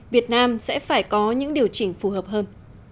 việt nam sẽ phải có những điều chỉnh phù hợp hơn